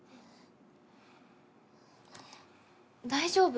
大丈夫？